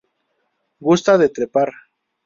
Gusta de trepar.